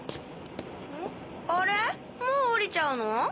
あれもう降りちゃうの？